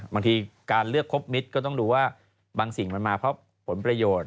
บางทีการเลือกครบมิตรก็ต้องดูว่าบางสิ่งมันมาเพราะผลประโยชน์